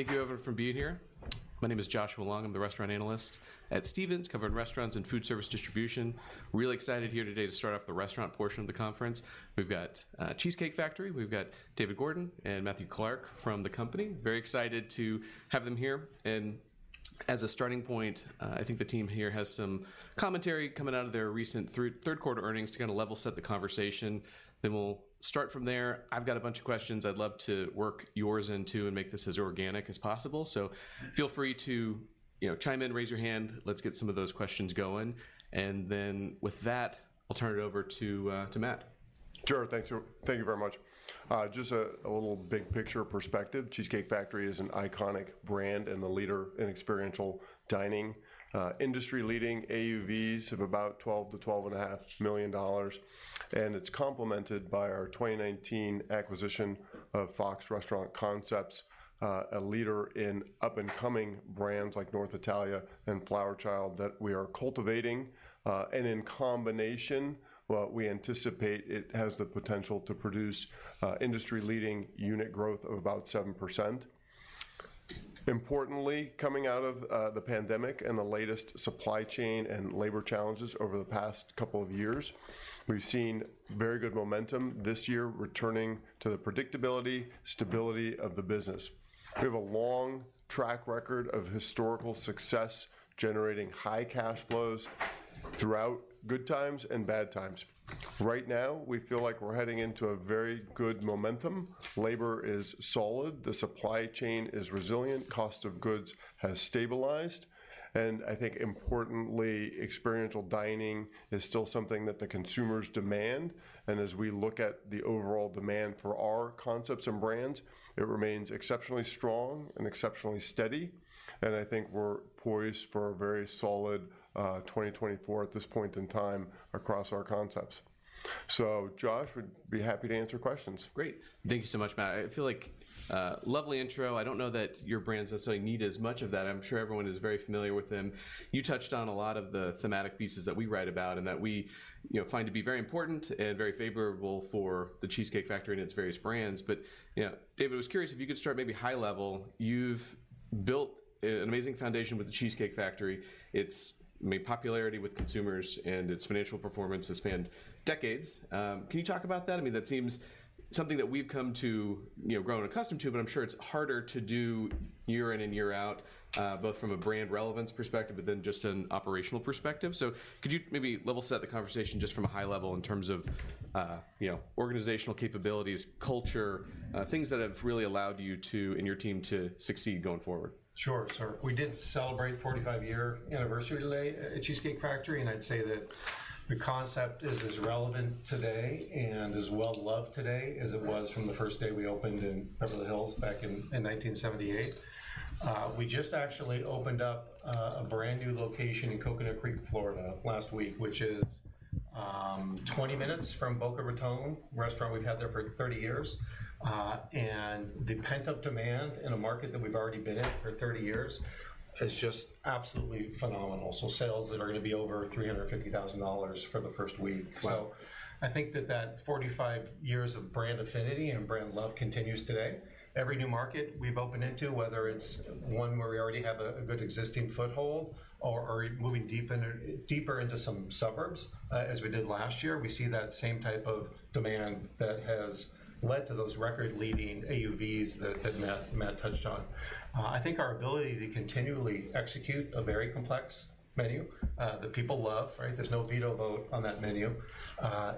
Thank you everyone for being here. My name is Joshua Long. I'm the restaurant analyst at Stephens, covering restaurants and food service distribution. Really excited here today to start off the restaurant portion of the conference. We've got Cheesecake Factory. We've got David Gordon and Matthew Clark from the company. Very excited to have them here, and as a starting point, I think the team here has some commentary coming out of their recent Q3 earnings to kind of level set the conversation. Then we'll start from there. I've got a bunch of questions. I'd love to work yours in, too, and make this as organic as possible. So feel free to, you know, chime in, raise your hand. Let's get some of those questions going. And then with that, I'll turn it over to Matt. Sure. Thanks, thank you very much. Just a little big picture perspective. Cheesecake Factory is an iconic brand and a leader in experiential dining. Industry-leading AUVs of about $12 million-$12.5 million, and it's complemented by our 2019 acquisition of Fox Restaurant Concepts, a leader in up-and-coming brands like North Italia and Flower Child, that we are cultivating. And in combination, well, we anticipate it has the potential to produce, industry-leading unit growth of about 7%. Importantly, coming out of, the pandemic and the latest supply chain and labor challenges over the past couple of years, we've seen very good momentum this year, returning to the predictability, stability of the business. We have a long track record of historical success, generating high cash flows throughout good times and bad times. Right now, we feel like we're heading into a very good momentum. Labor is solid, the supply chain is resilient, cost of goods has stabilized, and I think importantly, experiential dining is still something that the consumers demand, and as we look at the overall demand for our concepts and brands, it remains exceptionally strong and exceptionally steady, and I think we're poised for a very solid 2024 at this point in time across our concepts. So Josh, we'd be happy to answer questions. Great. Thank you so much, Matt. I feel like, lovely intro. I don't know that your brands necessarily need as much of that. I'm sure everyone is very familiar with them. You touched on a lot of the thematic pieces that we write about and that we, you know, find to be very important and very favorable for The Cheesecake Factory and its various brands. But, you know, David, I was curious if you could start maybe high level. You've built an amazing foundation with The Cheesecake Factory. It's made popularity with consumers, and its financial performance has spanned decades. Can you talk about that? I mean, that seems something that we've come to, you know, grown accustomed to, but I'm sure it's harder to do year in and year out, both from a brand relevance perspective, but then just an operational perspective. So could you maybe level set the conversation just from a high level in terms of, you know, organizational capabilities, culture, things that have really allowed you to, and your team to succeed going forward? Sure. So we did celebrate 45-year anniversary today at Cheesecake Factory, and I'd say that the concept is as relevant today and as well-loved today as it was from the first day we opened in Beverly Hills back in 1978. We just actually opened up a brand-new location in Coconut Creek, Florida, last week, which is 20 minutes from Boca Raton, restaurant we've had there for 30 years. And the pent-up demand in a market that we've already been in for 30 years is just absolutely phenomenal. So sales that are gonna be over $350,000 for the first week. Wow. So I think that 45 years of brand affinity and brand love continues today. Every new market we've opened into, whether it's one where we already have a good existing foothold or moving deeper into some suburbs, as we did last year, we see that same type of demand that has led to those record-leading AUVs that Matt touched on. I think our ability to continually execute a very complex menu, that people love, right? There's no veto vote on that menu,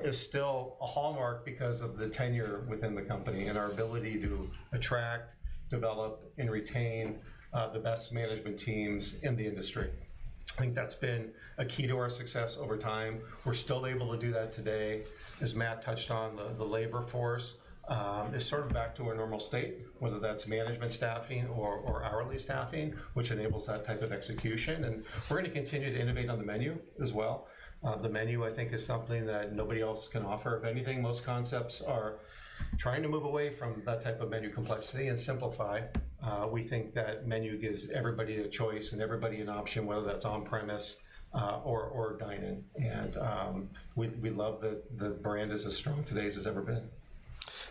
is still a hallmark because of the tenure within the company and our ability to attract, develop, and retain, the best management teams in the industry. I think that's been a key to our success over time. We're still able to do that today. As Matt touched on, the labor force is sort of back to a normal state, whether that's management staffing or hourly staffing, which enables that type of execution, and we're gonna continue to innovate on the menu as well. The menu, I think, is something that nobody else can offer. If anything, most concepts are trying to move away from that type of menu complexity and simplify. We think that menu gives everybody a choice and everybody an option, whether that's on-premise or dine in. We love that the brand is as strong today as it's ever been.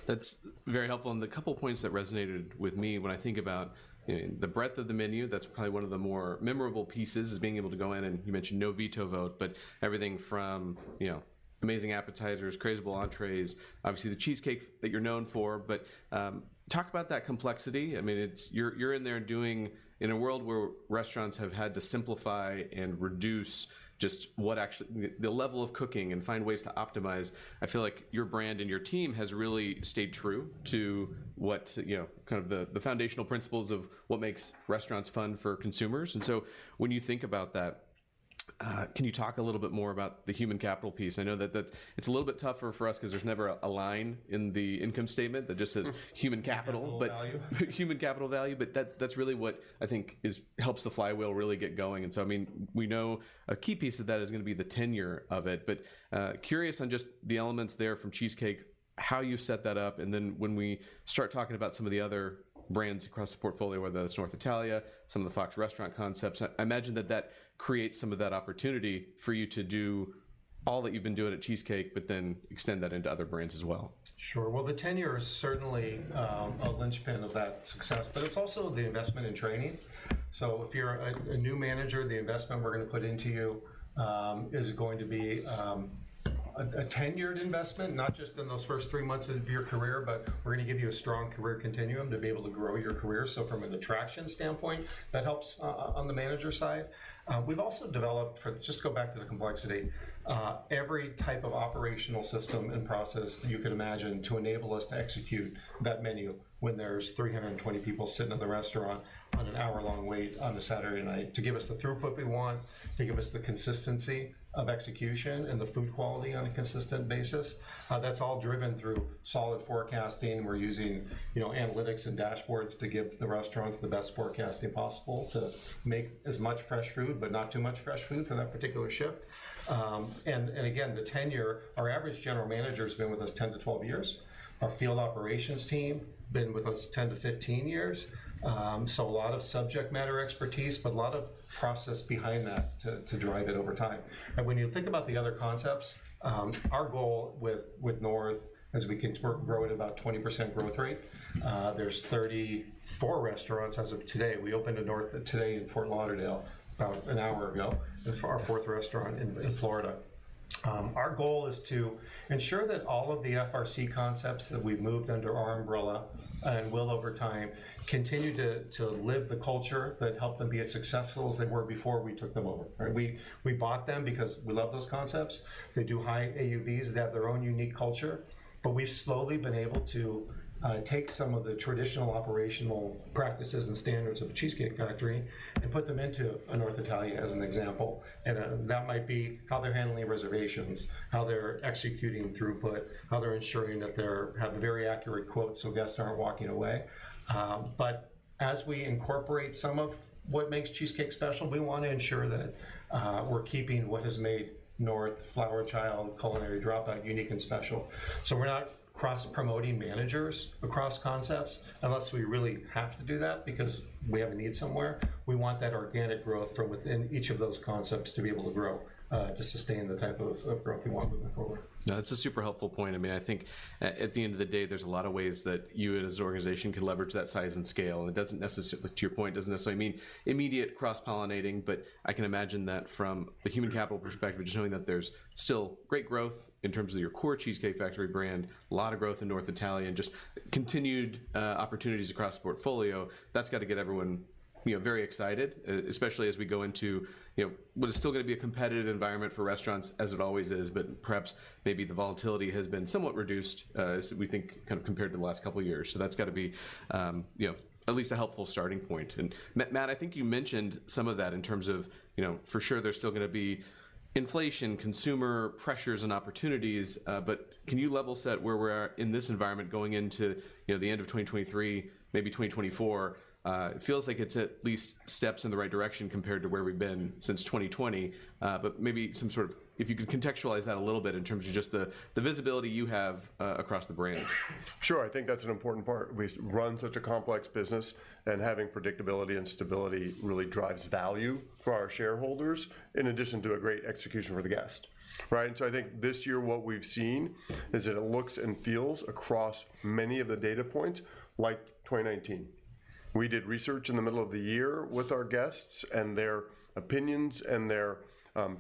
That's very helpful, and the couple points that resonated with me when I think about the breadth of the menu, that's probably one of the more memorable pieces, is being able to go in and you mentioned no veto vote, but everything from, you know, amazing appetizers, crazy entrees, obviously, the cheesecake that you're known for. But talk about that complexity. I mean, it's... You're in there doing in a world where restaurants have had to simplify and reduce just what actually the level of cooking and find ways to optimize. I feel like your brand and your team has really stayed true to what, you know, kind of the foundational principles of what makes restaurants fun for consumers. And so when you think about that, can you talk a little bit more about the human capital piece? I know that it's a little bit tougher for us because there's never a line in the income statement that just says human capital. Human capital value. Human capital value, but that, that's really what I think is, helps the flywheel really get going. And so, I mean, we know a key piece of that is gonna be the tenure of it, but, curious on just the elements there from Cheesecake, how you set that up, and then when we start talking about some of the other brands across the portfolio, whether that's North Italia, some of the Fox Restaurant Concepts, I imagine that that creates some of that opportunity for you to do... all that you've been doing at Cheesecake, but then extend that into other brands as well. Sure. Well, the tenure is certainly a linchpin of that success, but it's also the investment in training. So if you're a new manager, the investment we're gonna put into you is going to be a tenured investment, not just in those first three months of your career, but we're gonna give you a strong career continuum to be able to grow your career. So from an attraction standpoint, that helps on the manager side. We've also developed just to go back to the complexity, every type of operational system and process you can imagine to enable us to execute that menu when there's 320 people sitting in the restaurant on an hour-long wait on a Saturday night, to give us the throughput we want, to give us the consistency of execution and the food quality on a consistent basis. That's all driven through solid forecasting. We're using, you know, analytics and dashboards to give the restaurants the best forecasting possible to make as much fresh food, but not too much fresh food for that particular shift. And again, the tenure, our average general manager has been with us 10-12 years. Our field operations team, been with us 10-15 years. So a lot of subject matter expertise, but a lot of process behind that to, to drive it over time. And when you think about the other concepts, our goal with, with North, as we continue to grow at about 20% growth rate, there's 34 restaurants as of today. We opened a North today in Fort Lauderdale, about an hour ago, our fourth restaurant in, in Florida. Our goal is to ensure that all of the FRC concepts that we've moved under our umbrella, and will over time, continue to, to live the culture that helped them be as successful as they were before we took them over, right? We, we bought them because we love those concepts. They do high AUVs, they have their own unique culture, but we've slowly been able to take some of the traditional operational practices and standards of the Cheesecake Factory and put them into a North Italia, as an example. And that might be how they're handling reservations, how they're executing throughput, how they're ensuring that they're having very accurate quotes so guests aren't walking away. But as we incorporate some of what makes Cheesecake special, we want to ensure that we're keeping what has made North, Flower Child, Culinary Dropout, unique and special. So we're not cross-promoting managers across concepts unless we really have to do that because we have a need somewhere. We want that organic growth from within each of those concepts to be able to grow to sustain the type of growth we want moving forward. No, that's a super helpful point. I mean, I think at the end of the day, there's a lot of ways that you as an organization can leverage that size and scale, and it doesn't necessarily, to your point, doesn't necessarily mean immediate cross-pollinating, but I can imagine that from the human capital perspective, just knowing that there's still great growth in terms of your core Cheesecake Factory brand, a lot of growth in North Italia, just continued opportunities across the portfolio, that's got to get everyone, you know, very excited, especially as we go into, you know... But it's still gonna be a competitive environment for restaurants, as it always is, but perhaps maybe the volatility has been somewhat reduced, we think, kind of compared to the last couple of years. So that's got to be, you know, at least a helpful starting point. And Matt, I think you mentioned some of that in terms of, you know, for sure there's still gonna be inflation, consumer pressures and opportunities, but can you level set where we are in this environment going into, you know, the end of 2023, maybe 2024? It feels like it's at least steps in the right direction compared to where we've been since 2020. But maybe some sort of, if you could contextualize that a little bit in terms of just the visibility you have across the brands. Sure, I think that's an important part. We run such a complex business, and having predictability and stability really drives value for our shareholders, in addition to a great execution for the guest, right? And so I think this year what we've seen is that it looks and feels across many of the data points like 2019. We did research in the middle of the year with our guests, and their opinions and their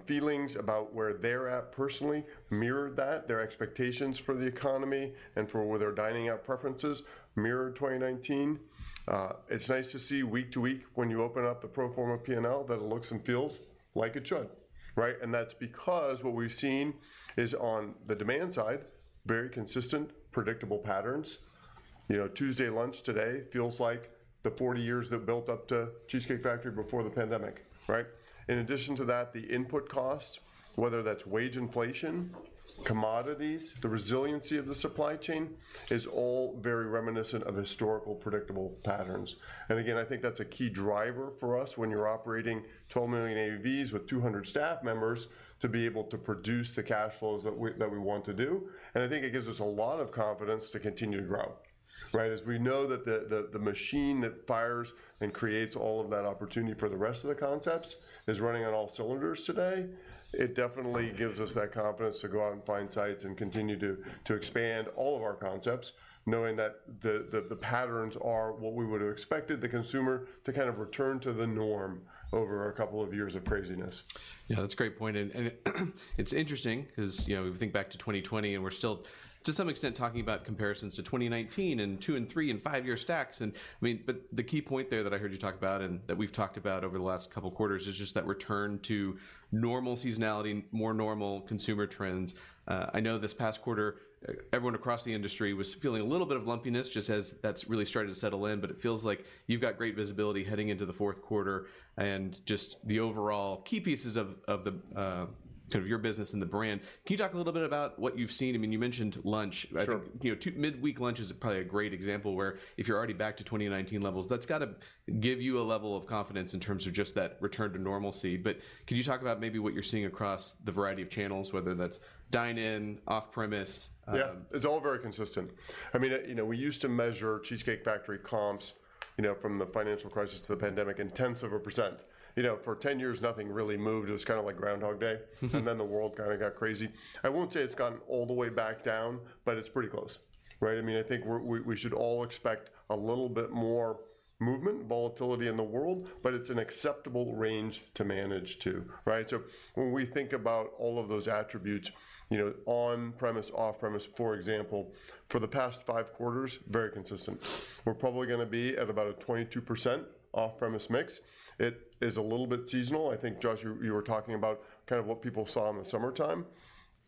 feelings about where they're at personally mirrored that. Their expectations for the economy and for where their dining-out preferences mirrored 2019. It's nice to see week to week when you open up the pro forma P&L, that it looks and feels like it should, right? And that's because what we've seen is on the demand side, very consistent, predictable patterns. You know, Tuesday lunch today feels like the 40 years that built up to Cheesecake Factory before the pandemic, right? In addition to that, the input costs, whether that's wage inflation, commodities, the resiliency of the supply chain, is all very reminiscent of historical, predictable patterns. And again, I think that's a key driver for us when you're operating $12 million AUVs with 200 staff members, to be able to produce the cash flows that we, that we want to do. And I think it gives us a lot of confidence to continue to grow, right? As we know that the machine that fires and creates all of that opportunity for the rest of the concepts is running on all cylinders today. It definitely gives us that confidence to go out and find sites and continue to expand all of our concepts, knowing that the patterns are what we would have expected the consumer to kind of return to the norm over a couple of years of craziness. Yeah, that's a great point, and it's interesting because, you know, we think back to 2020, and we're still, to some extent, talking about comparisons to 2019 and two, three- and five-year stacks and I mean. But the key point there that I heard you talk about and that we've talked about over the last couple of quarters is just that return to normal seasonality, more normal consumer trends. I know this past quarter, everyone across the industry was feeling a little bit of lumpiness, just as that's really starting to settle in, but it feels like you've got great visibility heading into the Q4 and just the overall key pieces of the kind of your business and the brand. Can you talk a little bit about what you've seen? I mean, you mentioned lunch. Sure. You know, too, midweek lunch is probably a great example where if you're already back to 2019 levels, that's gotta give you a level of confidence in terms of just that return to normalcy. But could you talk about maybe what you're seeing across the variety of channels, whether that's dine-in, off-premise? Yeah, it's all very consistent. I mean, you know, we used to measure Cheesecake Factory comps, you know, from the financial crisis to the pandemic and tenths of a percent. You know, for 10 years, nothing really moved. It was kind of like Groundhog Day. And then the world kind of got crazy. I won't say it's gotten all the way back down, but it's pretty close, right? I mean, I think we should all expect a little bit more movement, volatility in the world, but it's an acceptable range to manage to, right? So when we think about all of those attributes, you know, on-premise, off-premise, for example, for the past five quarters, very consistent. We're probably gonna be at about a 22% off-premise mix. It is a little bit seasonal. I think, Josh, you were talking about kind of what people saw in the summertime.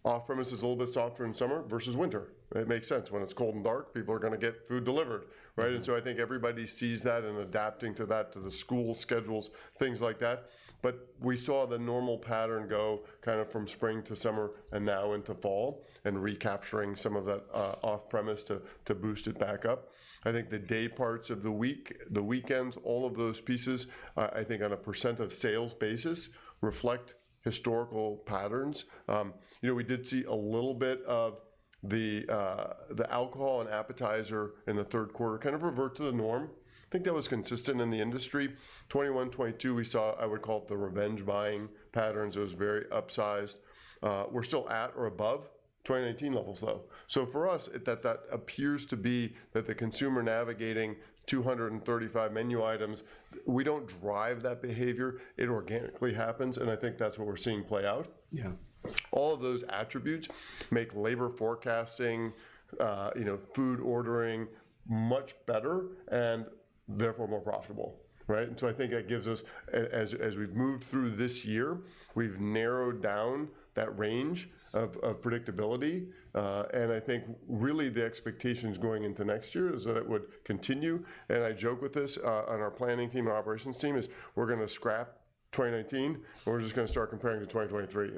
Off-premise is a little bit softer in summer versus winter. It makes sense. When it's cold and dark, people are gonna get food delivered, right? I think everybody sees that and adapting to that, to the school schedules, things like that. But we saw the normal pattern go kind of from spring to summer and now into fall, and recapturing some of that, off-premise to boost it back up. I think the day parts of the week, the weekends, all of those pieces, I think on a percent of sales basis, reflect historical patterns. You know, we did see a little bit of the, the alcohol and appetizer in the Q3, kind of revert to the norm. I think that was consistent in the industry. 2021, 2022, we saw, I would call it the revenge buying patterns. It was very upsized. We're still at or above 2019 levels, though. So for us, it appears that the consumer navigating 235 menu items, we don't drive that behavior. It organically happens, and I think that's what we're seeing play out. Yeah. All of those attributes make labor forecasting, you know, food ordering much better and therefore more profitable, right? And so I think that gives us as we've moved through this year, we've narrowed down that range of predictability. And I think really the expectations going into next year is that it would continue, and I joke with this, on our planning team and operations team, is we're gonna scrap 2019, and we're just gonna start comparing to 2023.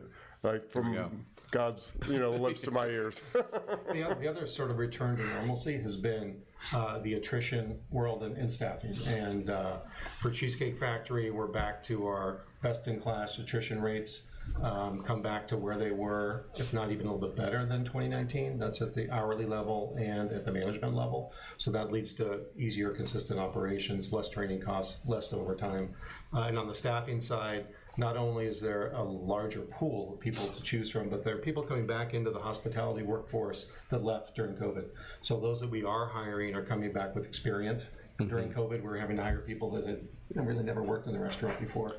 Like, from- Yeah God's, you know, lips to my ears. The other sort of return to normalcy has been the attrition world and staffing. For Cheesecake Factory, we're back to our best-in-class attrition rates, come back to where they were, if not even a little bit better than 2019. That's at the hourly level and at the management level. So that leads to easier, consistent operations, less training costs, less overtime. And on the staffing side, not only is there a larger pool of people to choose from, but there are people coming back into the hospitality workforce that left during COVID. So those that we are hiring are coming back with experience. During COVID, we were having to hire people that had really never worked in a restaurant before,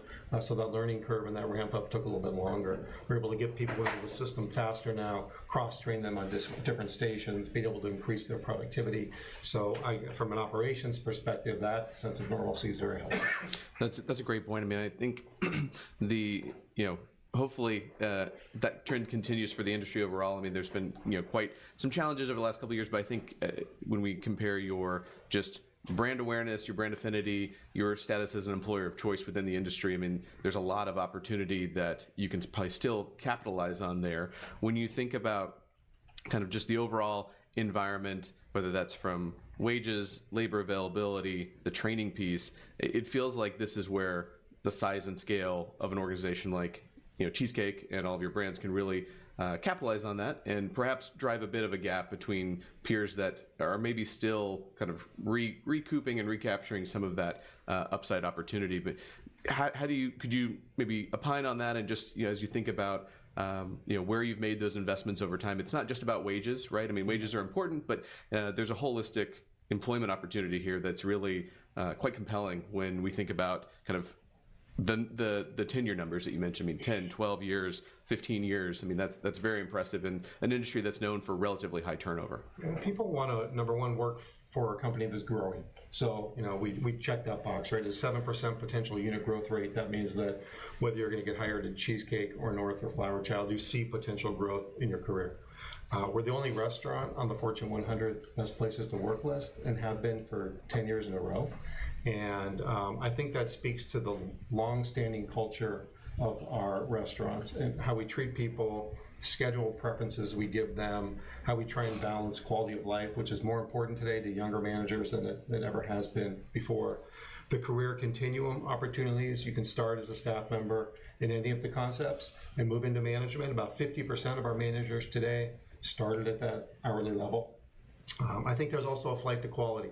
so that learning curve and that ramp-up took a little bit longer. We're able to get people into the system faster now, cross-train them on different stations, being able to increase their productivity. From an operations perspective, that sense of normalcy is very helpful. That's a great point. I mean, I think the, you know, hopefully, that trend continues for the industry overall. I mean, there's been, you know, quite some challenges over the last couple of years, but I think, when we compare your just brand awareness, your brand affinity, your status as an employer of choice within the industry, I mean, there's a lot of opportunity that you can probably still capitalize on there. When you think about kind of just the overall environment, whether that's from wages, labor availability, the training piece, it feels like this is where the size and scale of an organization like, you know, Cheesecake and all of your brands can really, capitalize on that and perhaps drive a bit of a gap between peers that are maybe still kind of recouping and recapturing some of that, upside opportunity. But how do you... Could you maybe opine on that and just, you know, as you think about, you know, where you've made those investments over time? It's not just about wages, right? I mean, wages are important, but there's a holistic employment opportunity here that's really quite compelling when we think about kind of the tenure numbers that you mentioned. I mean, 10, 12 years, 15 years, I mean, that's very impressive in an industry that's known for relatively high turnover. People wanna, number one, work for a company that's growing. So, you know, we, we check that box, right? A 7% potential unit growth rate, that means that whether you're gonna get hired at Cheesecake or North or Flower Child, you see potential growth in your career. We're the only restaurant on the Fortune 100 Best Companies to Work For list and have been for 10 years in a row. And, I think that speaks to the long-standing culture of our restaurants and how we treat people, schedule preferences we give them, how we try and balance quality of life, which is more important today to younger managers than it, it ever has been before. The career continuum opportunities, you can start as a staff member in any of the concepts and move into management. About 50% of our managers today started at that hourly level. I think there's also a flight to quality.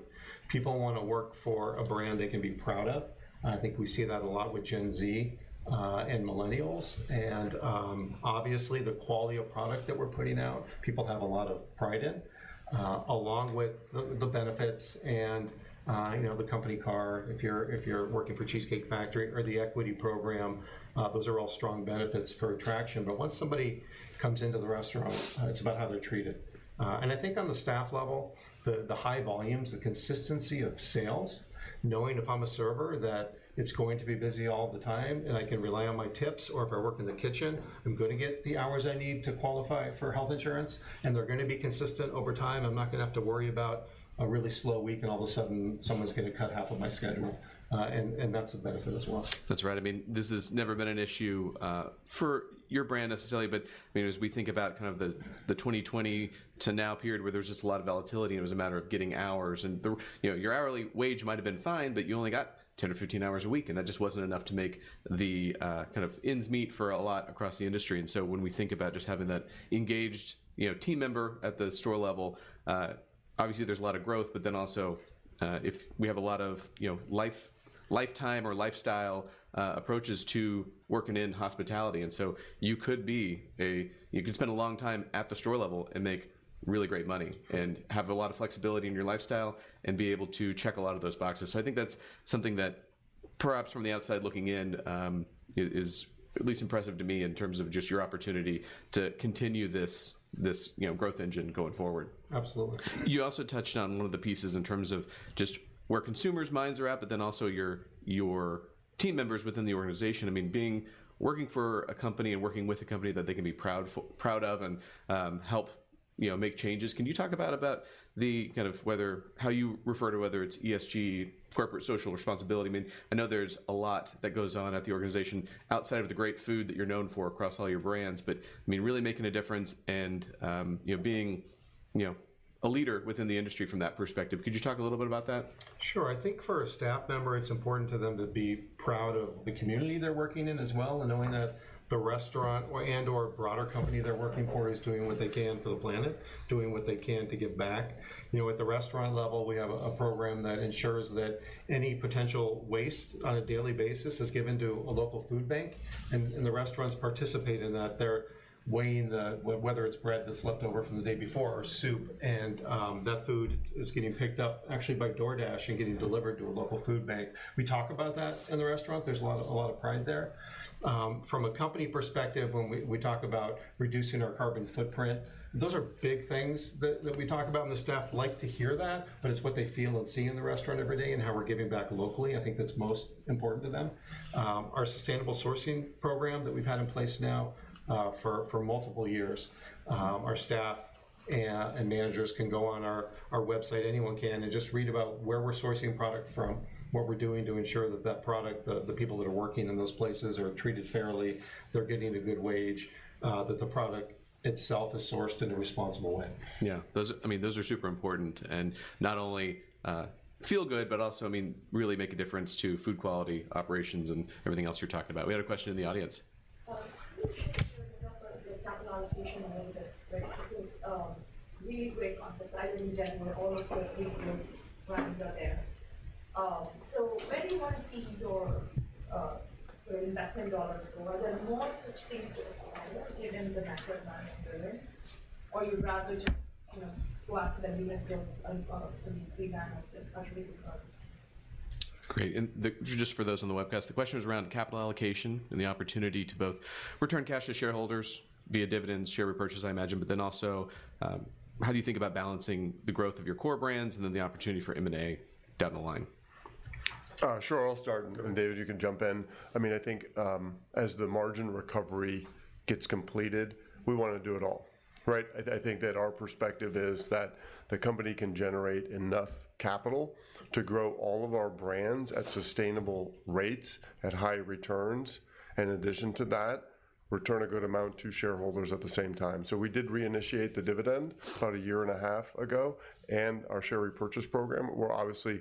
People wanna work for a brand they can be proud of. I think we see that a lot with Gen Z and millennials. And obviously, the quality of product that we're putting out, people have a lot of pride in, along with the benefits and, you know, the company car, if you're working for Cheesecake Factory or the equity program. Those are all strong benefits for attraction. But once somebody comes into the restaurant, it's about how they're treated. I think on the staff level, the high volumes, the consistency of sales, knowing if I'm a server, that it's going to be busy all the time, and I can rely on my tips, or if I work in the kitchen, I'm gonna get the hours I need to qualify for health insurance, and they're gonna be consistent over time. I'm not gonna have to worry about a really slow week, and all of a sudden, someone's gonna cut half of my schedule. That's a benefit as well. That's right. I mean, this has never been an issue for your brand necessarily, but I mean, as we think about kind of the 2020 to now period, where there's just a lot of volatility, and it was a matter of getting hours, and the... You know, your hourly wage might have been fine, but you only got 10 or 15 hours a week, and that just wasn't enough to make the kind of ends meet for a lot across the industry. And so when we think about just having that engaged, you know, team member at the store level, obviously, there's a lot of growth, but then also if we have a lot of, you know, lifetime or lifestyle approaches to working in hospitality. And so you could be. You could spend a long time at the store level and make really great money and have a lot of flexibility in your lifestyle and be able to check a lot of those boxes. So I think that's something that perhaps, from the outside looking in, is at least impressive to me in terms of just your opportunity to continue this, this, you know, growth engine going forward. Absolutely. You also touched on one of the pieces in terms of just where consumers' minds are at, but then also your team members within the organization. I mean, working for a company and working with a company that they can be proud of and, help, you know, make changes. Can you talk about the kind of whether how you refer to whether it's ESG, corporate social responsibility? I mean, I know there's a lot that goes on at the organization outside of the great food that you're known for across all your brands, but, I mean, really making a difference and, you know, being, you know, a leader within the industry from that perspective. Could you talk a little bit about that? Sure. I think for a staff member, it's important to them to be proud of the community they're working in as well, and knowing that the restaurant or broader company they're working for is doing what they can for the planet, doing what they can to give back. You know, at the restaurant level, we have a program that ensures that any potential waste on a daily basis is given to a local food bank, and the restaurants participate in that. They're weighing whether it's bread that's left over from the day before or soup, and that food is getting picked up actually by DoorDash and getting delivered to a local food bank. We talk about that in the restaurant. There's a lot of pride there. From a company perspective, when we talk about reducing our carbon footprint, those are big things that we talk about, and the staff like to hear that, but it's what they feel and see in the restaurant every day and how we're giving back locally. I think that's most important to them. Our sustainable sourcing program that we've had in place now for multiple years, our staff and managers can go on our website, anyone can, and just read about where we're sourcing product from, what we're doing to ensure that product, the people that are working in those places are treated fairly, they're getting a good wage, that the product itself is sourced in a responsible way. Yeah, those are... I mean, those are super important, and not only feel good, but also, I mean, really make a difference to food quality, operations, and everything else you're talking about. We had a question in the audience. Can you share with me about the capital allocation a little bit? Because, really great concepts. I live in Denver, all of your three groups brands are there. So where do you want to see your, your investment dollars go? Are there more such things to acquire given the macro environment we're in, or you'd rather just, you know, go after the leftovers of, of these three brands that are really good? Great. And the, just for those on the webcast, the question is around capital allocation and the opportunity to both return cash to shareholders via dividends, share repurchase, I imagine, but then also, how do you think about balancing the growth of your core brands and then the opportunity for M&A down the line? Sure, I'll start, and David, you can jump in. I mean, I think as the margin recovery gets completed, we wanna do it all, right? I think that our perspective is that the company can generate enough capital to grow all of our brands at sustainable rates, at high returns, and in addition to that, return a good amount to shareholders at the same time. So we did reinitiate the dividend about a year and a half ago, and our share repurchase program. We're obviously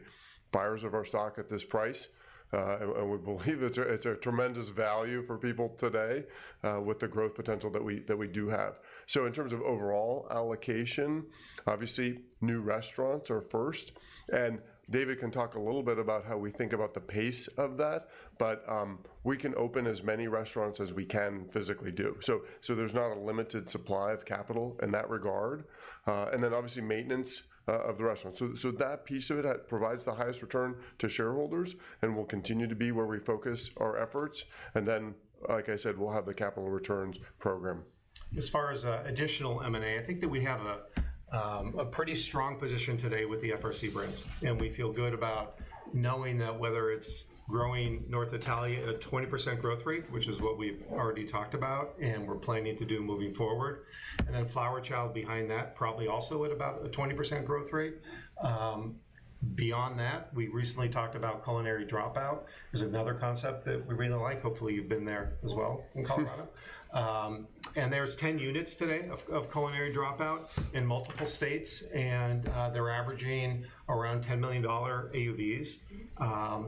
buyers of our stock at this price, and we believe it's a tremendous value for people today, with the growth potential that we do have. So in terms of overall allocation, obviously, new restaurants are first, and David can talk a little bit about how we think about the pace of that, but we can open as many restaurants as we can physically do. So there's not a limited supply of capital in that regard, and then obviously, maintenance of the restaurant. So that piece of it, that provides the highest return to shareholders and will continue to be where we focus our efforts, and then, like I said, we'll have the capital returns program. As far as additional M&A, I think that we have a pretty strong position today with the FRC brands, and we feel good about knowing that whether it's growing North Italia at a 20% growth rate, which is what we've already talked about and we're planning to do moving forward, and then Flower Child behind that, probably also at about a 20% growth rate. Beyond that, we recently talked about Culinary Dropout as another concept that we really like. Hopefully, you've been there as well in Colorado. And there's 10 units today of Culinary Dropouts in multiple states, and they're averaging around $10 million AUVs.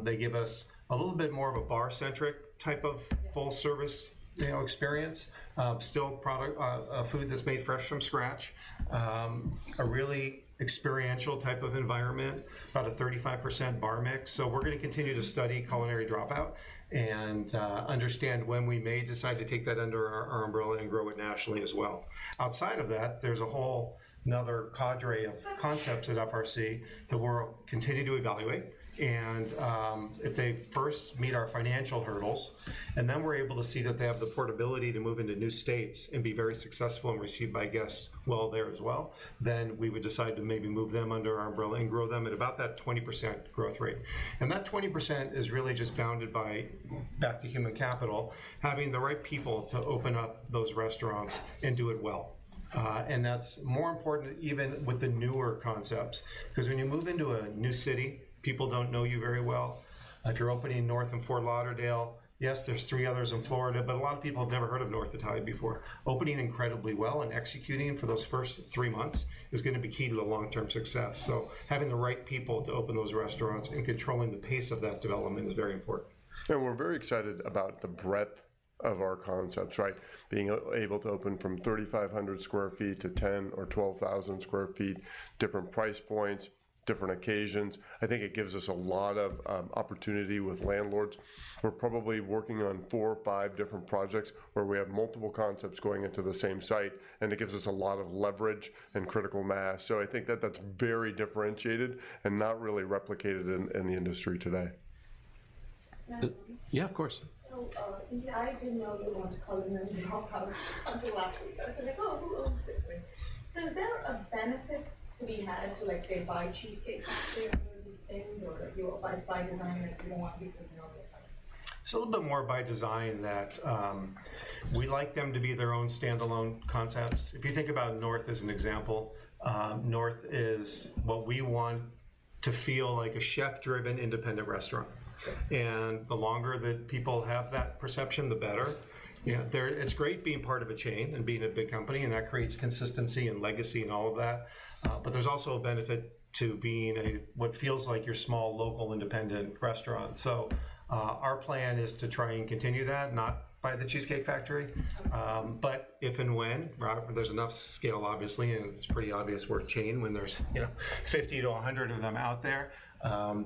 They give us a little bit more of a bar-centric type of- Yeah.... full-service, you know, experience. Still product, food that's made fresh from scratch, a really experiential type of environment, about a 35% bar mix. So we're gonna continue to study Culinary Dropout and understand when we may decide to take that under our umbrella and grow it nationally as well. Outside of that, there's a whole another cadre of concepts at FRC that we're continuing to evaluate, and if they first meet our financial hurdles, and then we're able to see that they have the portability to move into new states and be very successful and received by guests well there as well, then we would decide to maybe move them under our umbrella and grow them at about that 20% growth rate. That 20% is really just bounded by, back to human capital, having the right people to open up those restaurants and do it well. That's more important even with the newer concepts, 'cause when you move into a new city, people don't know you very well. If you're opening North Italia in Fort Lauderdale, yes, there's three others in Florida, but a lot of people have never heard of North Italia before. Opening incredibly well and executing for those first three months is gonna be key to the long-term success. So having the right people to open those restaurants and controlling the pace of that development is very important. We're very excited about the breadth of our concepts, right? Being able to open from 3,500 sq ft to 10,000 or 12,000 sq ft, different price points, different occasions. I think it gives us a lot of opportunity with landlords. We're probably working on four or five different projects, where we have multiple concepts going into the same site, and it gives us a lot of leverage and critical mass. So I think that's very differentiated and not really replicated in the industry today. May I? Yeah, of course. Cynthia, I didn't know that you wanted to Culinary Dropout until last week. I was like, "Oh, simply." So is there a benefit to be had to, like, say, buy Cheesecake Factory thing, or you buy, buy design that you want because you know they're coming? It's a little bit more by design that, we like them to be their own standalone concepts. If you think about North as an example, North is what we want to feel like a chef-driven independent restaurant. Okay. The longer that people have that perception, the better. Yes. You know, It's great being part of a chain and being a big company, and that creates consistency and legacy and all of that. But there's also a benefit to being a, what feels like your small, local, independent restaurant. So, our plan is to try and continue that, not by The Cheesecake Factory, but if and when, right, there's enough scale, obviously, and it's pretty obvious we're a chain when there's, you know, 50-100 of them out there,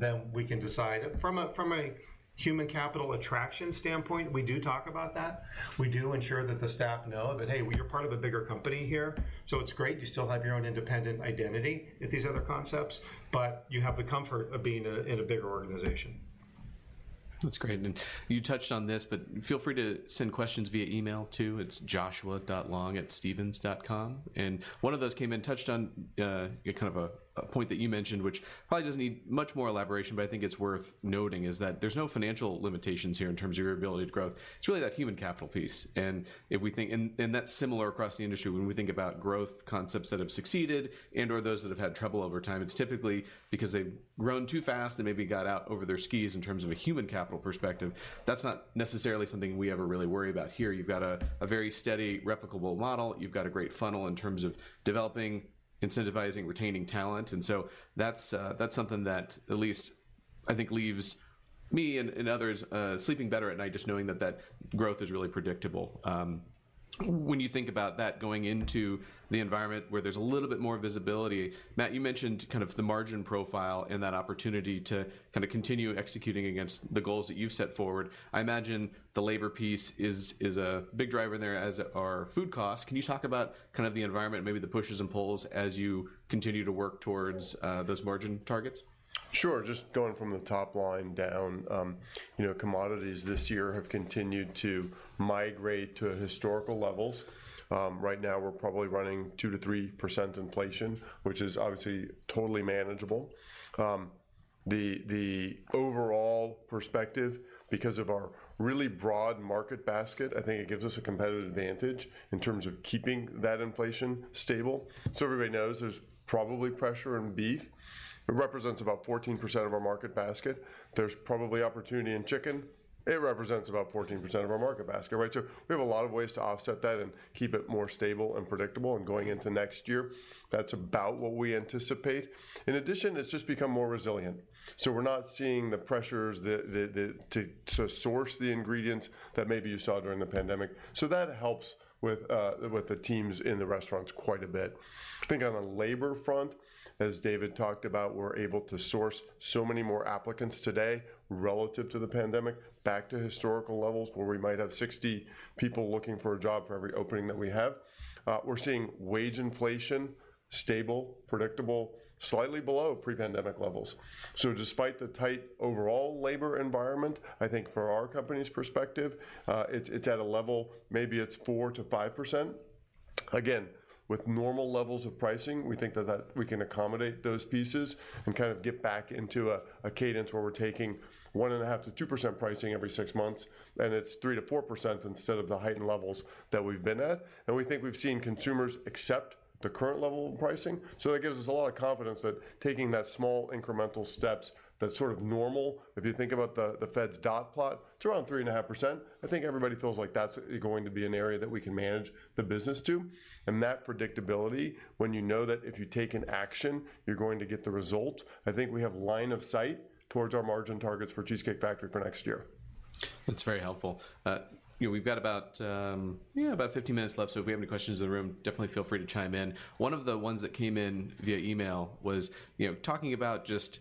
then we can decide. From a, from a human capital attraction standpoint, we do talk about that. We do ensure that the staff know that, "Hey, well, you're part of a bigger company here, so it's great you still have your own independent identity at these other concepts, but you have the comfort of being a, in a bigger organization. That's great, and you touched on this, but feel free to send questions via email too. It's joshua.long@stephens.com. And one of those came in, touched on kind of a point that you mentioned, which probably doesn't need much more elaboration, but I think it's worth noting, is that there's no financial limitations here in terms of your ability to grow. It's really that human capital piece. And if we think and that's similar across the industry. When we think about growth concepts that have succeeded and/or those that have had trouble over time, it's typically because they've grown too fast and maybe got out over their skis in terms of a human capital perspective. That's not necessarily something we ever really worry about here. You've got a very steady, replicable model. You've got a great funnel in terms of developing, incentivizing, retaining talent, and so that's, that's something that at least I think leaves me and others, sleeping better at night, just knowing that that growth is really predictable. When you think about that going into the environment where there's a little bit more visibility, Matt, you mentioned kind of the margin profile and that opportunity to kind of continue executing against the goals that you've set forward. I imagine the labor piece is a big driver there, as are food costs. Can you talk about kind of the environment, maybe the pushes and pulls, as you continue to work towards, those margin targets? Sure. Just going from the top line down, you know, commodities this year have continued to migrate to historical levels. Right now, we're probably running 2%-3% inflation, which is obviously totally manageable. The overall perspective, because of our really broad market basket, I think it gives us a competitive advantage in terms of keeping that inflation stable. So everybody knows there's probably pressure in beef. It represents about 14% of our market basket. There's probably opportunity in chicken. It represents about 14% of our market basket, right? So we have a lot of ways to offset that and keep it more stable and predictable. And going into next year, that's about what we anticipate. In addition, it's just become more resilient. So we're not seeing the pressures that to source the ingredients that maybe you saw during the pandemic. So that helps with the teams in the restaurants quite a bit. I think on the labor front, as David talked about, we're able to source so many more applicants today relative to the pandemic, back to historical levels, where we might have 60 people looking for a job for every opening that we have. We're seeing wage inflation, stable, predictable, slightly below pre-pandemic levels. So despite the tight overall labor environment, I think for our company's perspective, it's at a level, maybe it's 4%-5%. Again, with normal levels of pricing, we think that we can accommodate those pieces and kind of get back into a cadence where we're taking 1.5%-2% pricing every six months, and it's 3%-4% instead of the heightened levels that we've been at. We think we've seen consumers accept the current level of pricing, so that gives us a lot of confidence that taking that small, incremental steps, that's sort of normal. If you think about the Fed's dot plot, it's around 3.5%. I think everybody feels like that's going to be an area that we can manage the business to. That predictability, when you know that if you take an action, you're going to get the result, I think we have line of sight towards our margin targets for Cheesecake Factory for next year. That's very helpful. You know, we've got about, yeah, about 15 minutes left, so if we have any questions in the room, definitely feel free to chime in. One of the ones that came in via email was, you know, talking about just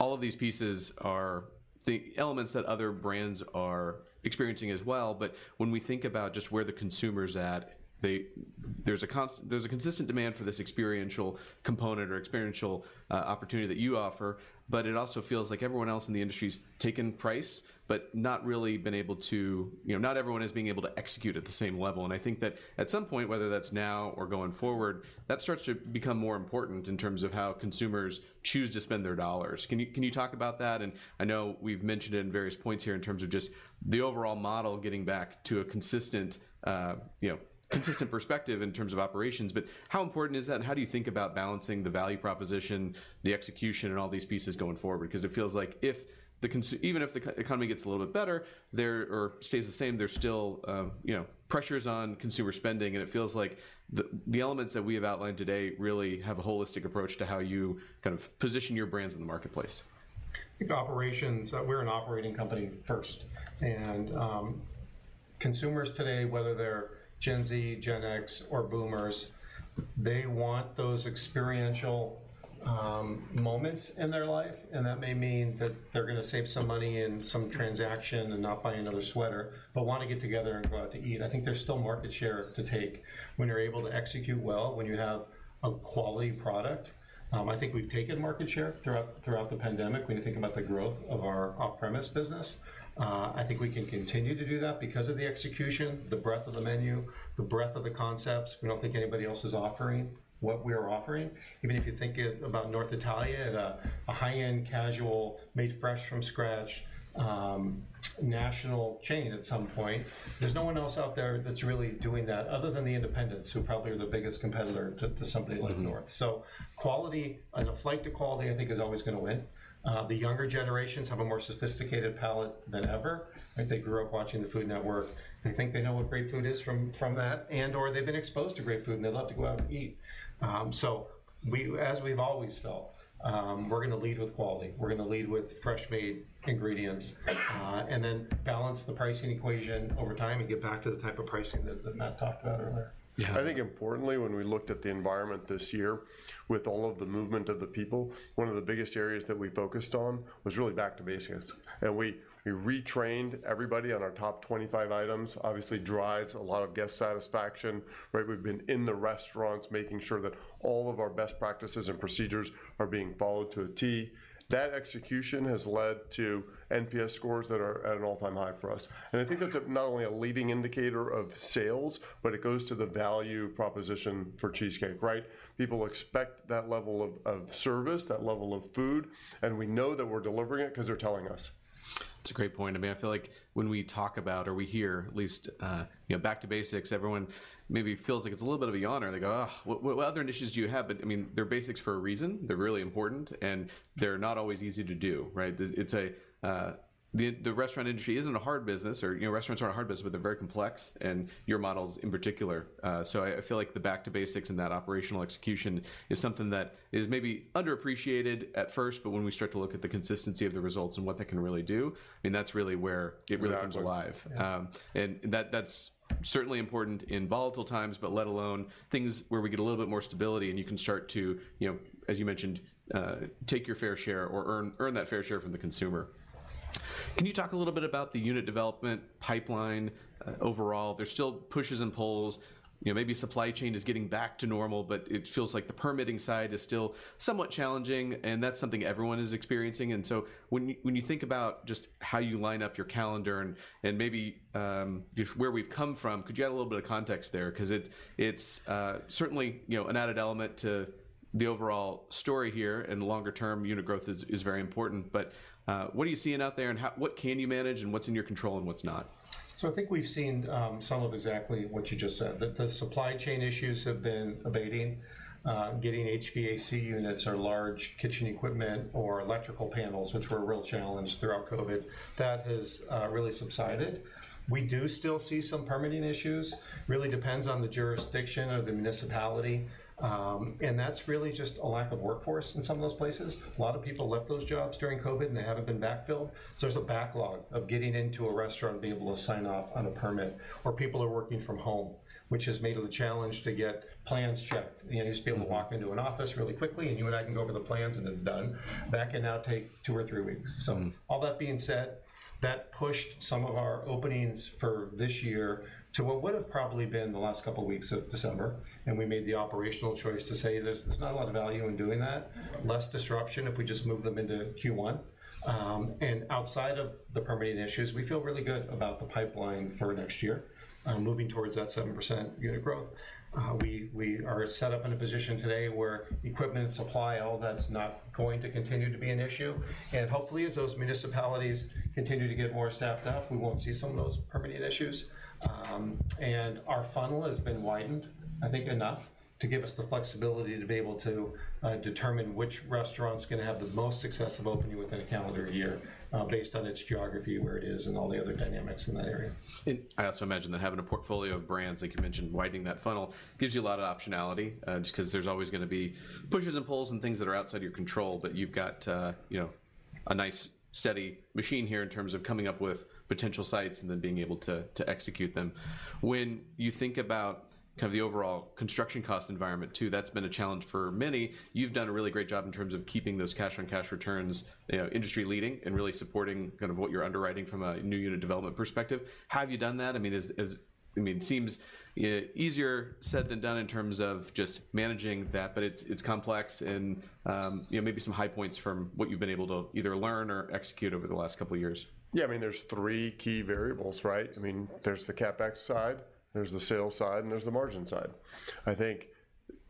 all of these pieces are the elements that other brands are experiencing as well. But when we think about just where the consumer's at, there's a consistent demand for this experiential component or experiential opportunity that you offer, but it also feels like everyone else in the industry has taken price, but not really been able to... You know, not everyone is being able to execute at the same level. And I think that at some point, whether that's now or going forward, that starts to become more important in terms of how consumers choose to spend their dollars. Can you talk about that? I know we've mentioned it in various points here in terms of just the overall model, getting back to a consistent, you know, consistent perspective in terms of operations. But how important is that, and how do you think about balancing the value proposition, the execution, and all these pieces going forward? Because it feels like even if the consumer economy gets a little bit better, there, or stays the same, there's still, you know, pressures on consumer spending, and it feels like the elements that we have outlined today really have a holistic approach to how you kind of position your brands in the marketplace. I think operations, we're an operating company first. And consumers today, whether they're Gen Z, Gen X, or Boomers, they want those experiential moments in their life, and that may mean that they're gonna save some money in some transaction and not buy another sweater, but wanna get together and go out to eat. I think there's still market share to take when you're able to execute well, when you have a quality product. I think we've taken market share throughout the pandemic when you think about the growth of our off-premise business. I think we can continue to do that because of the execution, the breadth of the menu, the breadth of the concepts. We don't think anybody else is offering what we are offering. Even if you think it about North Italia at a high-end casual, made fresh from scratch, national chain at some point, there's no one else out there that's really doing that other than the independents, who probably are the biggest competitor to something like North. So quality and a flight to quality, I think, is always gonna win. The younger generations have a more sophisticated palate than ever, right? They grew up watching the Food Network. They think they know what great food is from that, and/or they've been exposed to great food, and they love to go out and eat. So as we've always felt, we're gonna lead with quality. We're gonna lead with fresh-made ingredients, and then balance the pricing equation over time and get back to the type of pricing that Matt talked about earlier. Yeah. I think importantly, when we looked at the environment this year, with all of the movement of the people, one of the biggest areas that we focused on was really back to basics. We retrained everybody on our top 25 items. Obviously, drives a lot of guest satisfaction, right? We've been in the restaurants, making sure that all of our best practices and procedures are being followed to a T. That execution has led to NPS scores that are at an all-time high for us. I think that's not only a leading indicator of sales, but it goes to the value proposition for Cheesecake, right? People expect that level of service, that level of food, and we know that we're delivering it because they're telling us. It's a great point. I mean, I feel like when we talk about or we hear at least, you know, back to basics, everyone maybe feels like it's a little bit of a yawn, or they go, "Ugh, what, what other initiatives do you have?" But, I mean, they're basics for a reason. They're really important, and they're not always easy to do, right? The restaurant industry isn't a hard business or, you know, restaurants aren't a hard business, but they're very complex, and your models in particular. So I feel like the back to basics and that operational execution is something that is maybe underappreciated at first, but when we start to look at the consistency of the results and what they can really do, I mean, that's really where it really comes alive. Yeah. And that's certainly important in volatile times, but let alone things where we get a little bit more stability, and you can start to, you know, as you mentioned, take your fair share, or earn that fair share from the consumer. Can you talk a little bit about the unit development pipeline overall? There's still pushes and pulls. You know, maybe supply chain is getting back to normal, but it feels like the permitting side is still somewhat challenging, and that's something everyone is experiencing. And so when you, when you think about just how you line up your calendar and maybe, just where we've come from, could you add a little bit of context there? Because it, it's, certainly, you know, an added element to the overall story here, and longer-term unit growth is very important. What are you seeing out there, and what can you manage, and what's in your control and what's not? So I think we've seen some of exactly what you just said. The supply chain issues have been abating. Getting HVAC units or large kitchen equipment or electrical panels, which were a real challenge throughout COVID, that has really subsided. We do still see some permitting issues. Really depends on the jurisdiction or the municipality, and that's really just a lack of workforce in some of those places. A lot of people left those jobs during COVID, and they haven't been backfilled. So there's a backlog of getting into a restaurant to be able to sign off on a permit, or people are working from home, which has made it a challenge to get plans checked. You know, you just be able to walk into an office really quickly, and you and I can go over the plans, and it's done. That can now take two or three weeks. So all that being said, that pushed some of our openings for this year to what would have probably been the last couple of weeks of December, and we made the operational choice to say, "There's not a lot of value in doing that. Less disruption if we just move them into Q1." And outside of the permitting issues, we feel really good about the pipeline for next year, moving towards that 7% unit growth. We are set up in a position today where equipment, supply, all that's not going to continue to be an issue. And hopefully, as those municipalities continue to get more staffed up, we won't see some of those permitting issues. Our funnel has been widened, I think, enough to give us the flexibility to be able to determine which restaurant's gonna have the most successful opening within a calendar year, based on its geography, where it is, and all the other dynamics in that area. And I also imagine that having a portfolio of brands, like you mentioned, widening that funnel, gives you a lot of optionality, just because there's always gonna be pushes and pulls and things that are outside of your control. But you've got, you know, a nice, steady machine here in terms of coming up with potential sites and then being able to execute them. When you think about kind of the overall construction cost environment, too, that's been a challenge for many. You've done a really great job in terms of keeping those cash-on-cash returns, you know, industry-leading and really supporting kind of what you're underwriting from a new unit development perspective. How have you done that? I mean- I mean, it seems easier said than done in terms of just managing that, but it's complex and, you know, maybe some high points from what you've been able to either learn or execute over the last couple of years. Yeah, I mean, there's three key variables, right? I mean, there's the CapEx side, there's the sales side, and there's the margin side. I think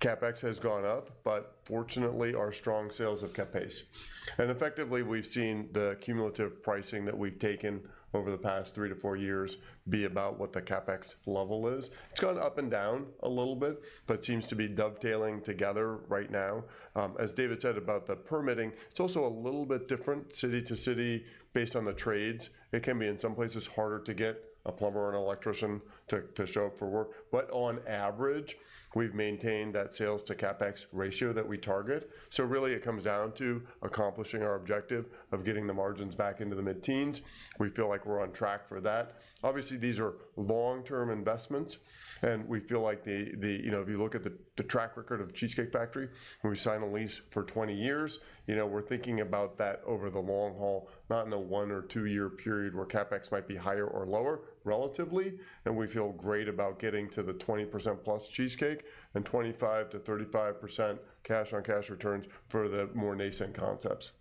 CapEx has gone up, but fortunately, our strong sales have kept pace. And effectively, we've seen the cumulative pricing that we've taken over the past three to four years be about what the CapEx level is. It's gone up and down a little bit, but seems to be dovetailing together right now. As David said about the permitting, it's also a little bit different city to city based on the trades. It can be, in some places, harder to get a plumber or an electrician to show up for work. But on average, we've maintained that sales to CapEx ratio that we target. So really, it comes down to accomplishing our objective of getting the margins back into the mid-teens. We feel like we're on track for that. Obviously, these are long-term investments, and we feel like you know, if you look at the track record of Cheesecake Factory, when we sign a lease for 20 years, you know, we're thinking about that over the long haul, not in a one or two-year period where CapEx might be higher or lower relatively. And we feel great about getting to the 20%+ Cheesecake and 25%-35% cash-on-cash returns for the more nascent concepts.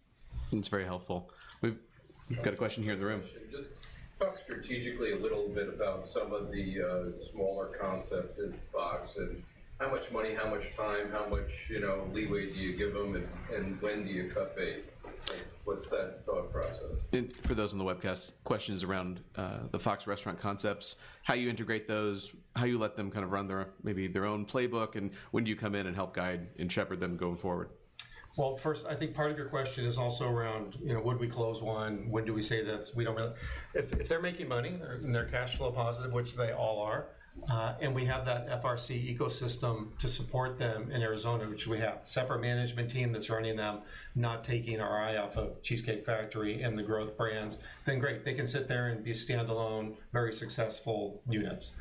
That's very helpful. We've got a question here in the room. Just talk strategically a little bit about some of the smaller concepts in Fox, and how much money, how much time, how much, you know, leeway do you give them, and when do you cut bait? What's that thought process? For those on the webcast, question is around the Fox Restaurant Concepts, how you integrate those, how you let them kind of run their own, maybe their own playbook, and when do you come in and help guide and shepherd them going forward? Well, first, I think part of your question is also around, you know, would we close one? When do we say that we don't really, if they're making money and they're cash flow positive, which they all are, and we have that FRC ecosystem to support them in Arizona, which we have. Separate management team that's running them, not taking our eye off of Cheesecake Factory and the growth brands, then great, they can sit there and be standalone, very successful units.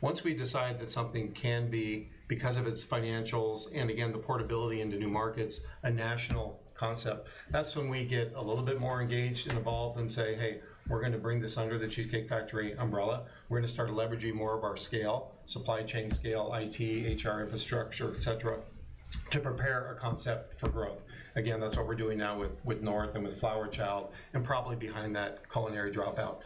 Once we decide that something can be, because of its financials, and again, the portability into new markets, a national concept, that's when we get a little bit more engaged and involved and say, "Hey, we're gonna bring this under the Cheesecake Factory umbrella. We're gonna start leveraging more of our scale, supply chain scale, IT, HR infrastructure, et cetera, to prepare a concept for growth. Again, that's what we're doing now with North and with Flower Child, and probably behind that, Culinary Dropout.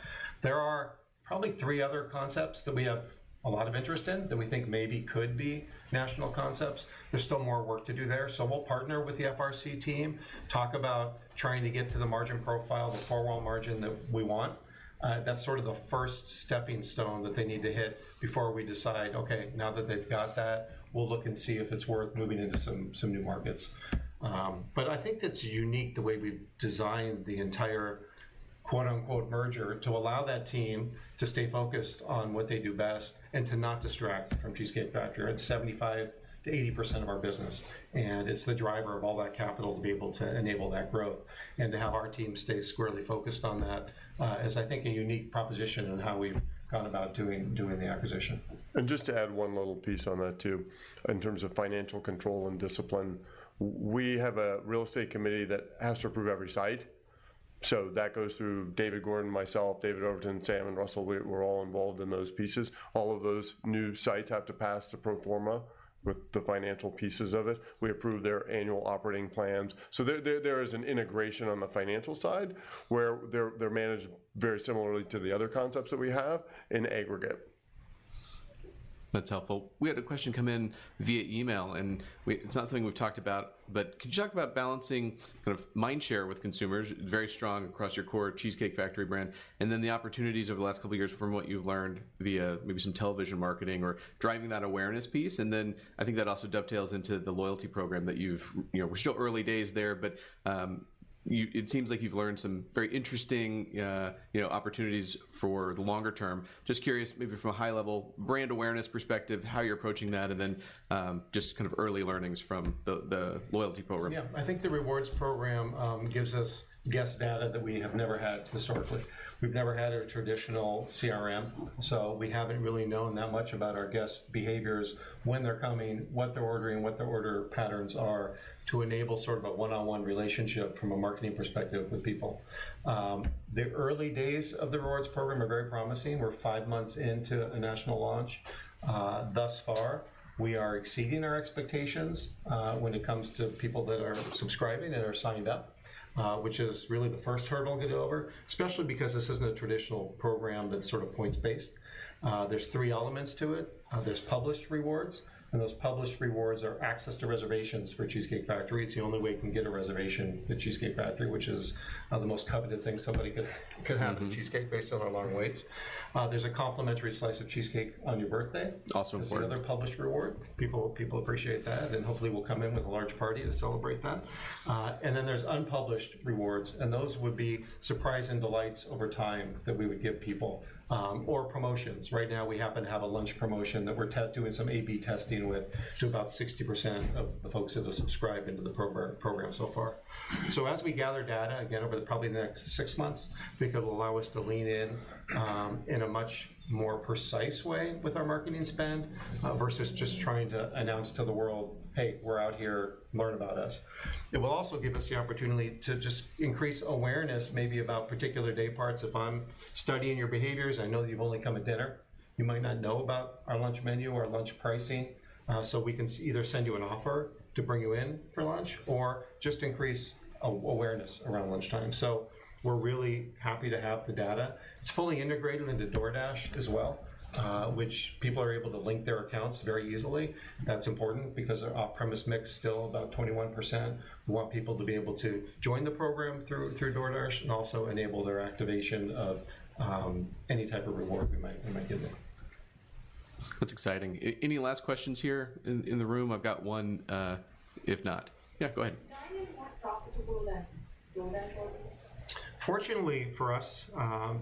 There are probably three other concepts that we have a lot of interest in, that we think maybe could be national concepts. There's still more work to do there. So we'll partner with the FRC team, talk about trying to get to the margin profile, the four-wall margin that we want. That's sort of the first stepping stone that they need to hit before we decide, "Okay, now that they've got that, we'll look and see if it's worth moving into some new markets." But I think that's unique, the way we've designed the entire quote, unquote, "merger" to allow that team to stay focused on what they do best and to not distract from Cheesecake Factory. It's 75%-80% of our business, and it's the driver of all that capital to be able to enable that growth. And to have our team stay squarely focused on that is I think, a unique proposition on how we've gone about doing the acquisition. And just to add one little piece on that, too, in terms of financial control and discipline, we have a real estate committee that has to approve every site. So that goes through David Gordon, myself, David Overton, Sam, and Russell. We're all involved in those pieces. All of those new sites have to pass the pro forma with the financial pieces of it. We approve their annual operating plans. So there is an integration on the financial side, where they're managed very similarly to the other concepts that we have in aggregate. That's helpful. We had a question come in via email, and it's not something we've talked about, but could you talk about balancing kind of mind share with consumers, very strong across your core Cheesecake Factory brand, and then the opportunities over the last couple of years from what you've learned via maybe some television marketing or driving that awareness piece. And then I think that also dovetails into the loyalty program that you've, you know, we're still early days there, but it seems like you've learned some very interesting, you know, opportunities for the longer term. Just curious, maybe from a high level brand awareness perspective, how you're approaching that, and then just kind of early learnings from the loyalty program. Yeah. I think the rewards program gives us guest data that we have never had historically. We've never had a traditional CRM, so we haven't really known that much about our guests' behaviors, when they're coming, what they're ordering, what their order patterns are, to enable sort of a one-on-one relationship from a marketing perspective with people. The early days of the rewards program are very promising. We're five months into a national launch. Thus far, we are exceeding our expectations when it comes to people that are subscribing and are signed up, which is really the first hurdle to get over, especially because this isn't a traditional program that's sort of points-based. There's three elements to it. There's published rewards, and those published rewards are access to reservations for Cheesecake Factory. It's the only way you can get a reservation at Cheesecake Factory, which is, the most coveted thing somebody could have at cheesecake based on our long waits. There's a complimentary slice of cheesecake on your birthday. Also important. There's another published reward. People appreciate that, and hopefully will come in with a large party to celebrate that. And then there's unpublished rewards, and those would be surprise and delights over time that we would give people, or promotions. Right now, we happen to have a lunch promotion that we're doing some A/B testing with to about 60% of the folks that have subscribed into the program so far. So as we gather data, again, over probably the next six months, I think it'll allow us to lean in, in a much more precise way with our marketing spend, versus just trying to announce to the world, "Hey, we're out here. Learn about us." It will also give us the opportunity to just increase awareness, maybe about particular day parts. If I'm studying your behaviors, I know that you've only come to dinner, you might not know about our lunch menu or our lunch pricing. So we can either send you an offer to bring you in for lunch or just increase awareness around lunchtime. So we're really happy to have the data. It's fully integrated into DoorDash as well, which people are able to link their accounts very easily. That's important because our off-premise mix is still about 21%. We want people to be able to join the program through DoorDash and also enable their activation of any type of reward we might give them. That's exciting. Any last questions here in the room? I've got one, if not. Yeah, go ahead. Is dining more profitable than DoorDash ordering? Fortunately for us,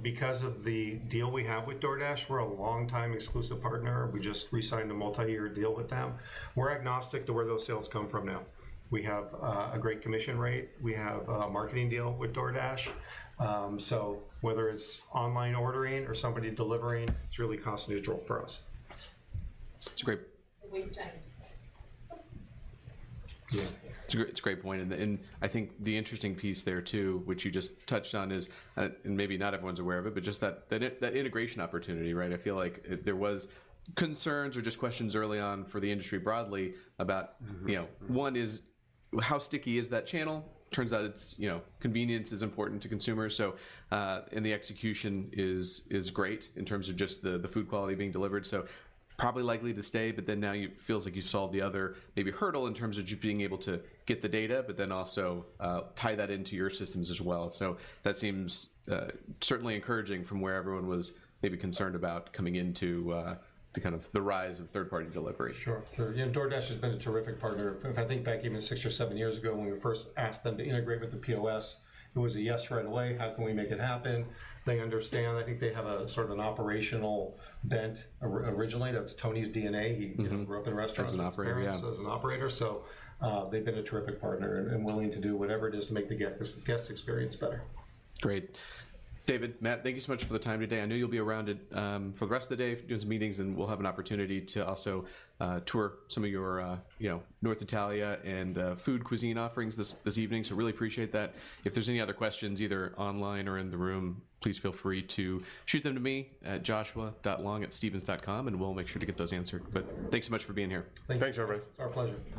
because of the deal we have with DoorDash, we're a longtime exclusive partner. We just resigned a multi-year deal with them. We're agnostic to where those sales come from now. We have a great commission rate. We have a marketing deal with DoorDash. So whether it's online ordering or somebody delivering, it's really cost neutral for us. It's great. Wait times. Yeah, it's a great, it's a great point, and, and I think the interesting piece there, too, which you just touched on, is and maybe not everyone's aware of it, but just that, that, that integration opportunity, right? I feel like it- there was concerns or just questions early on for the industry broadly about you know, one is, how sticky is that channel? Turns out it's, you know, convenience is important to consumers, so, and the execution is great in terms of just the food quality being delivered, so probably likely to stay. But then now you, it feels like you solved the other maybe hurdle in terms of just being able to get the data, but then also, tie that into your systems as well. So that seems certainly encouraging from where everyone was maybe concerned about coming into the kind of the rise of third-party delivery. Sure, sure, yeah, DoorDash has been a terrific partner. If I think back even six or seven years ago, when we first asked them to integrate with the POS, it was a yes right away. "How can we make it happen?" They understand. I think they have a sort of an operational bent originally, that's Tony's DNA. He, you know, grew up in restaurants. As an operator, yeah. As an operator. So, they've been a terrific partner and willing to do whatever it is to make the guest experience better. Great. David, Matt, thank you so much for the time today. I know you'll be around at for the rest of the day doing some meetings, and we'll have an opportunity to also tour some of your you know, North Italia and food cuisine offerings this evening. So really appreciate that. If there's any other questions, either online or in the room, please feel free to shoot them to me at joshua.long@stephens.com, and we'll make sure to get those answered. But thanks so much for being here. Thank you. Thanks, everybody. Our pleasure. Thank you.